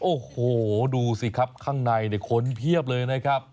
โอ้โหดูสิครับข้างในคนเพียบเลยนะครับ